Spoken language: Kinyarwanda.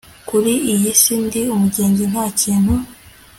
kuri iy si ndi umugenzi, nta kintu